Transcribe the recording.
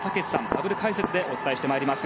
ダブル解説でお伝えしてまいります。